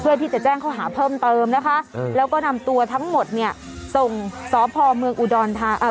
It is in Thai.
เพื่อที่จะแจ้งเขาหาเพิ่มเติมนะคะอืมแล้วก็นำตัวทั้งหมดเนี้ยส่งสอบภอมเมืองอุดอนทางอ่า